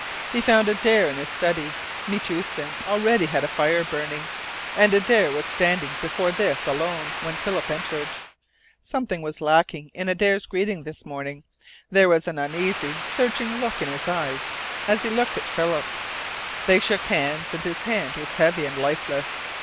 He found Adare in his study. Metoosin already had a fire burning, and Adare was standing before this alone, when Philip entered. Something was lacking in Adare's greeting this morning. There was an uneasy, searching look in his eyes as he looked at Philip. They shook hands, and his hand was heavy and lifeless.